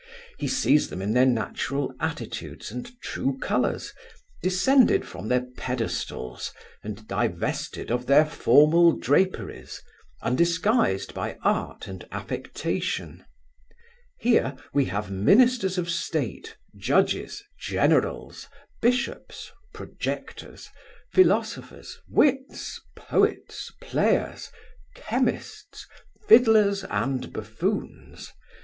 He sees them in their natural attitudes and true colours; descended from their pedestals, and divested of their formal draperies, undisguised by art and affectation Here we have ministers of state, judges, generals, bishops, projectors, philosophers, wits, poets, players, chemists, fiddlers, and buffoons.